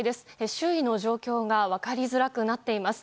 周囲の状況が分かりづらくなっています。